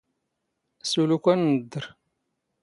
ⵙⵓⵍ ⵓⴽⴰⵏ ⵏⴷⴷⵔ.